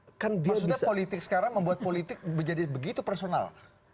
maksudnya sekarang politik membuat politik menjadi begitu personal